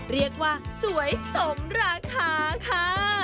เรียกว่าสวยสมราคาค่ะ